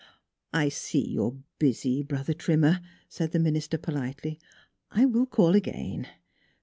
" I see you are busy, Brother Trimmer," said the minister politely; " I will call again."